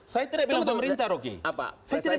saya tidak bilang pemerintah rocky